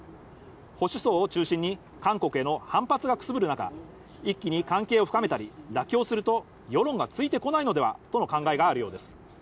保守層を中心に韓国への反発がくすぶる中、一気に関係を深めたり妥協すると世論がついてこないのではとの考えがあるようです。